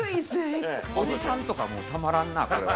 おじさんとかもう、たまらんな、これは。